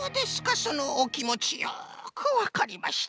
そのおきもちよくわかりました。